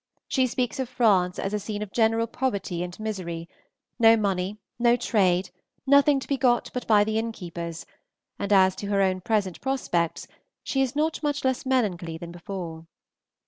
She speaks of France as a scene of general poverty and misery: no money, no trade, nothing to be got but by the innkeepers, and as to her own present prospects she is not much less melancholy than before.